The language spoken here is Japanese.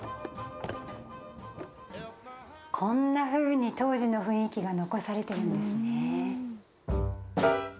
こんなふうに当時の雰囲気が残されているんですね。